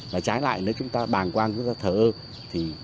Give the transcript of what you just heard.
và trái lại nếu chúng ta bàng quang chúng ta thờ ơ